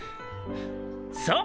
そう。